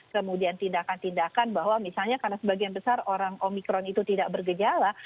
kemudian tindakan tindakan bahwa misalnya karena sebagian besar orang omikron itu tidak bergejala